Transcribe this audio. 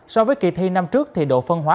so với kỳ thi năm trước thì độ phân hóa